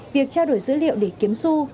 việc trao đổi dữ liệu để kiếm su